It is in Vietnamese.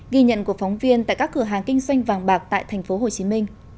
ghi nhận của phóng viên tại các cửa hàng kinh doanh vàng bạc tại tp hcm